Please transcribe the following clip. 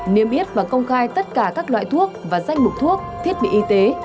niêm yết và công khai tất cả các loại thuốc và danh mục thuốc thiết bị y tế